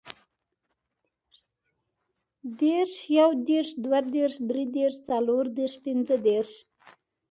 دېرس, یودېرس, دودېرس, درودېرس, څلوردېرس, پنځهدېرس